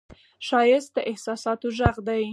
ښایست د احساساتو غږ دی